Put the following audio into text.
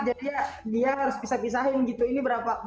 jadi ya dia harus pisah pisahin gitu ini berapa